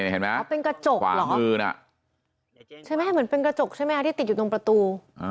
เฮ้ยเห็นไหมเป็นกระจกก่อนเชิงแล้วดู